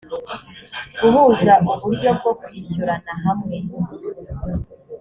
guhuza uburyo bwo kwishyurana hamwe